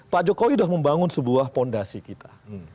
pak jokowi sudah membangun sebuah fondasi kita